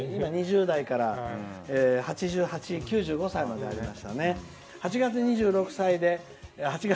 ２０代から８８歳、９５歳までありましたね。